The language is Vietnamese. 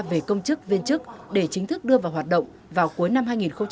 về công chức viên chức để chính thức đưa vào hoạt động vào cuối năm hai nghìn hai mươi